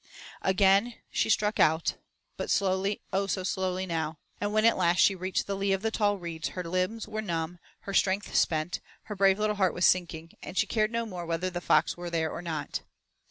Again she struck out, but slowly oh so slowly now. And when at last she reached the lee of the tall reeds, her limbs were numbed, her strength spent, her brave little heart was sinking, and she cared no more whether the fox were there or not.